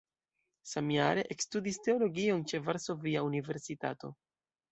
Samjare ekstudis teologion ĉe Varsovia Universitato.